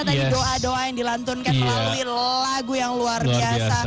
dan doa doa yang dilantunkan melalui lagu yang luar biasa